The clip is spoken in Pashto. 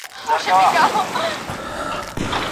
مېرمن څنګه کولای سي چي قابله سي؟